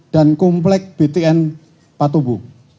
dan komplek btn patobu